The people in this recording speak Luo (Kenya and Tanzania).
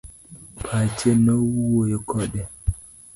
Pache nowuoyo kode.